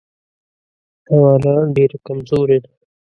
حواله ډېره کمزورې ده.